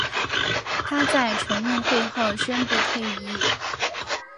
她在全运会后宣布退役。